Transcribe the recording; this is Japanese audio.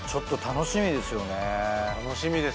楽しみですね。